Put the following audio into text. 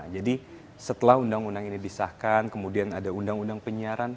jadi setelah undang undang ini disahkan kemudian ada undang undang penyiaran